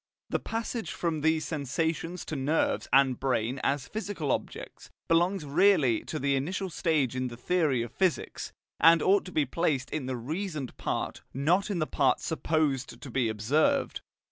The passage from these sensations to nerves and brain as physical objects belongs really to the initial stage in the theory of physics, and ought to be placed in the reasoned part, not in the part supposed to be observed.